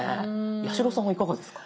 八代さんはいかがですか？